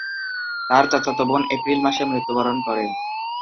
তার চাচাতো বোন এপ্রিল মাসে মৃত্যুবরণ করে।